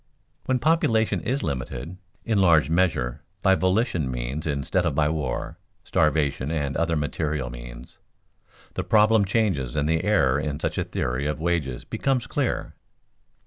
When population is limited in large measure by volitional means instead of by war, starvation, and other material means, the problem changes and the error in such a theory of wages becomes clear.